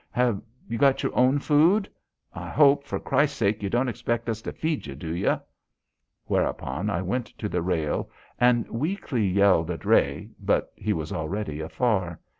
Have you got your own food? I hope, for Christ's sake, you don't expect us to feed you, do you?" Whereupon I went to the rail and weakly yelled at Rhea, but he was already afar.